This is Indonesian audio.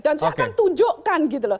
dan saya akan tunjukkan gitu loh